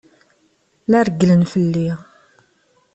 La rewwlen fell-i.